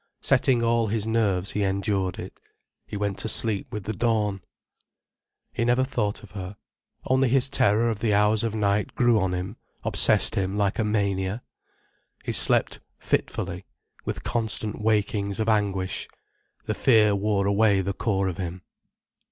Setting all his nerves, he endured it. He went to sleep with the dawn. He never thought of her. Only his terror of the hours of night grew on him, obsessed him like a mania. He slept fitfully, with constant wakings of anguish. The fear wore away the core of him.